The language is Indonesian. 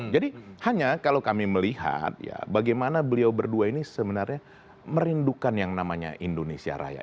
jadi hanya kalau kami melihat bagaimana beliau berdua ini sebenarnya merindukan yang namanya indonesia raya